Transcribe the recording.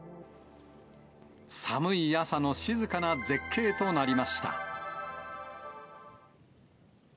寒い朝の静かな絶景となりました。